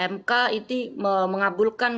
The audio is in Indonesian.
mk itu mengabulkan